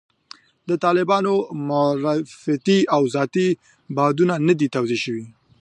د طالبانو معرفتي او ذاتي بعدونه نه دي توضیح شوي.